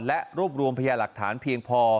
และรวบรวมพยาหลักฐานเพียงพอ